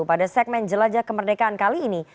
pada segmen jelajah kemerdekaan kali ini